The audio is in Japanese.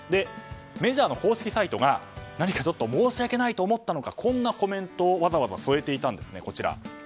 メジャーの公式サイトが何か申し訳ないと思ったのかこんなコメントをわざわざ添えていたんです。